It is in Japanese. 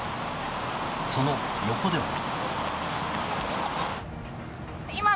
その横では。